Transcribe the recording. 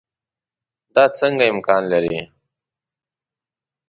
دا څنګه امکان لري.